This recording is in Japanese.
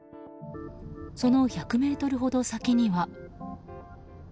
その１００ｍほど先には。